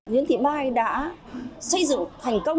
nguyễn thị mai đã xây dựng thành công